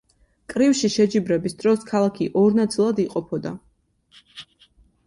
კრივში შეჯიბრების დროს ქალაქი ორ ნაწილად იყოფოდა.